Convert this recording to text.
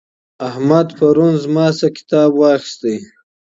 احمد پرون له ما څخه کتاب واخیستی.